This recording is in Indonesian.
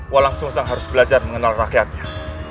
walang sung sang harus belajar mengenal rakyatnya